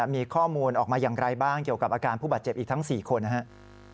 มีข้อมูลออกมาอย่างไรบ้างเกี่ยวกับอาการผู้บาดเจ็บอีกทั้ง๔คนนะครับ